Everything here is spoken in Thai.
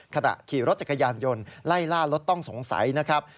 ขณะขี่รถจักรยานยนต์ไล่ล่ารถต้องสงสัยนะครับ